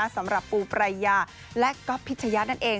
สำหรับปูปรัยาและก็พิชยัตน์นั่นเอง